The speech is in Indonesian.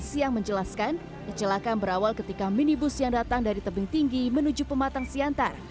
siang menjelaskan kecelakaan berawal ketika minibus yang datang dari tebing tinggi menuju pematang siantar